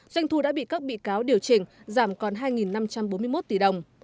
doanh thu đã bị các bị cáo điều chỉnh giảm còn hai năm trăm bốn mươi một tỷ đồng